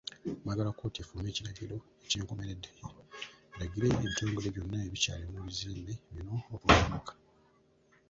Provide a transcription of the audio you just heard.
Baagala kkooti efulumye ekiragiro ekyenkomeredde eragire ebitongole byonna ebikyali mu bizimbe bino okubyamuka.